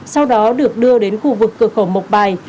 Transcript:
sau đó được đưa đến khu vực cửa khẩu mộc bài